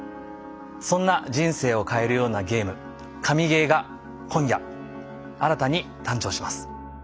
そんな人生を変えるようなゲーム「神ゲー」が今夜新たに誕生します。